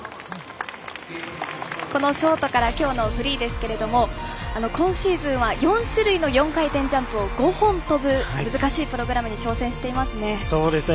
このショートからきょうのフリーですけれども今シーズンは４種類の４回転ジャンプを５本跳ぶ難しいプログラムに挑戦していますね。